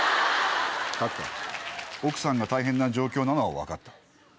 角田奥さんが大変な状況なのは分かった。